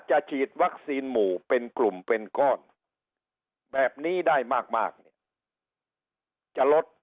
ฉีดวัคซีนหมู่เป็นกลุ่มเป็นก้อนแบบนี้ได้มากเนี่ยจะลด